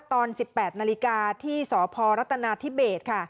ตอน๑๘นาฬิกาที่สพรัฐนาธิเบสค่ะ